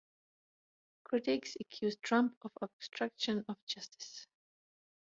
Critics accused Trump of obstruction of justice.